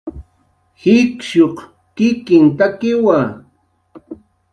jikshuq kikinhtakiwa